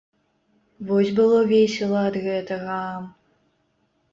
Вось было весела ад гэтага.